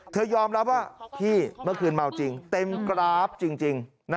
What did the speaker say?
ยอมรับว่าพี่เมื่อคืนเมาจริงเต็มกราฟจริง